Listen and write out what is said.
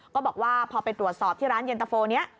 ก็บอกว่าพอไปตรวจสอบที่ร้านเย็นตะโฟนี้